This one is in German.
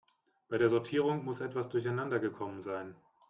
Bei der Sortierung muss etwas durcheinander gekommen sein.